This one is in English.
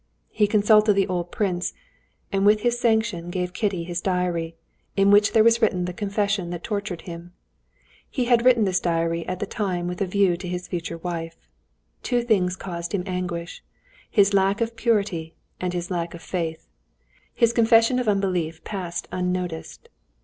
He consulted the old prince, and with his sanction gave Kitty his diary, in which there was written the confession that tortured him. He had written this diary at the time with a view to his future wife. Two things caused him anguish: his lack of purity and his lack of faith. His confession of unbelief passed unnoticed.